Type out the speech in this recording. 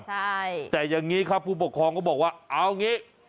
ใช่แต่อย่างนี้ครับผู้ปกครองก็บอกว่าเอางี้